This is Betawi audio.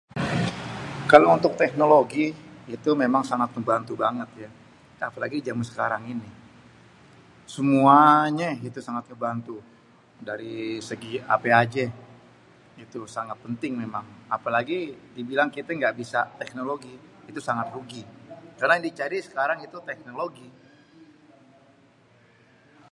Kalau untuk teknologi itu memang sangat membantu banget ya, apalagi di zaman sekarang ini, semuaaanyé itu sangat terbantu dari segi apé ajé itu sangat penting memang. apalagi dibilang kité engga bisa teknologi itu sangat rugi karena yang dicari sekarang itu teknologi.